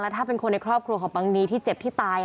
ถ้าเป็นคนในครอบครัวของบังนีที่เจ็บที่ตาย